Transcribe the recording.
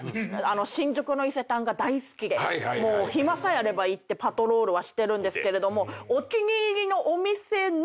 新宿の伊勢丹が大好きで暇さえあれば行ってパトロールはしてるんですけれども。